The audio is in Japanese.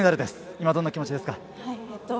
今、どんな気持ちですか。